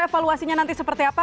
evaluasinya nanti seperti apa